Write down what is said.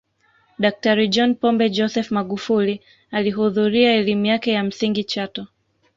Daktari John Pombe Joseph Magufuli alihudhuria elimu yake ya msingi chato